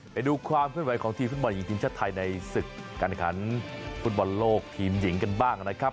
ไปดูความเคลื่อนไหวของทีมฟุตบอลหญิงทีมชาติไทยในศึกการขันฟุตบอลโลกทีมหญิงกันบ้างนะครับ